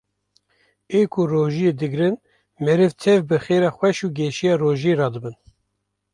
ê ku rojiyê digrin meriv tev bi xêra xweş û geşiya rojiyê radibin.